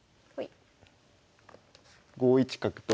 ５一角と。